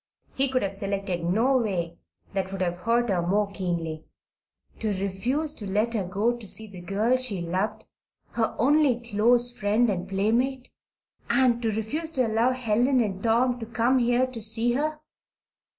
He could have selected no way that would have hurt her more keenly. To refuse to let her go to see the girl she loved her only close friend and playmate! And to refuse to allow Helen and Tom to come here to see her!